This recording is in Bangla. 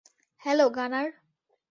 হ্যালো, গানার।